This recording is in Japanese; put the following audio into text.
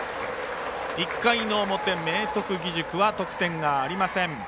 １回の表、明徳義塾は得点がありません。